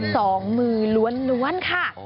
สองมือล้วนค่ะ